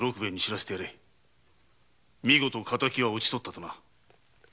見事敵は討ち取ったとな。